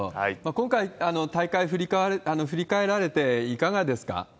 今回、大会振り返られて、いかがですか？